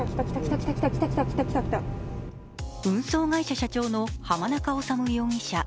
運送会社社長の浜中治容疑者。